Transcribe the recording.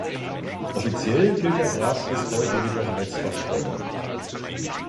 Offiziell gilt der Graf bis heute jedoch als verschollen.